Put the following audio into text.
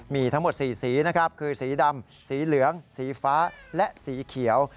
มีทั้งหมด๔สีนะครับคือสีดำสีเหลืองสีฟ้าและสีเขียว